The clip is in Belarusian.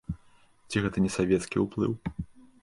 Ці гэта не савецкі ўплыў?